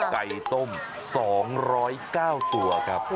ไก่ต้ม๒๐๙ตัวครับ